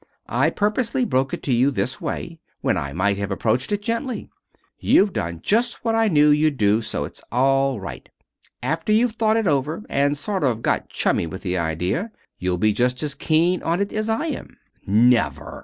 I purposely broke it to you this way, when I might have approached it gently. You've done just what I knew you'd do, so it's all right. After you've thought it over, and sort of got chummy with the idea, you'll be just as keen on it as I am." "Never!"